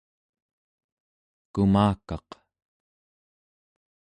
kumakaq